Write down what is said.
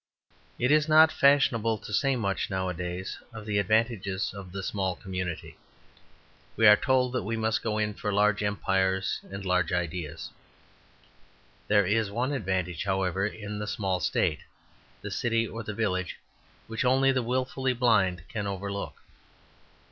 It is not fashionable to say much nowadays of the advantages of the small community. We are told that we must go in for large empires and large ideas. There is one advantage, however, in the small state, the city, or the village, which only the wilfully blind can overlook.